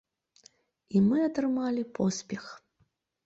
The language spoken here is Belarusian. І мы атрымалі поспех.